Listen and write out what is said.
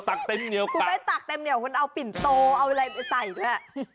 ขูเปล่าเห็นตักแปลห์เหนียวคูณเอาปิ่นโตใช้เยอะ